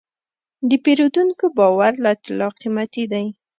د پیرودونکي باور له طلا قیمتي دی.